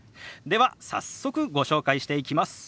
では早速ご紹介していきます。